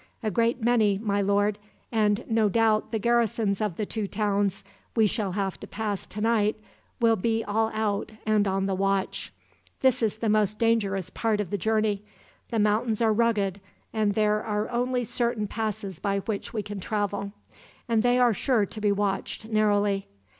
"A great many, my lord; and no doubt the garrisons of the two towns we shall have to pass tonight will be all out, and on the watch. This is the most dangerous part of the journey. The mountains are rugged, and there are only certain passes by which we can travel, and they are sure to be watched narrowly.